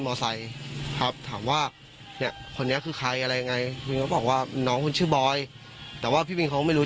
พี่บินเขาไม่รู้จักบ้านโอเคมั้ย